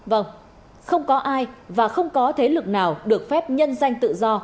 vâng không có ai và không có thế lực nào được phép nhân danh tự do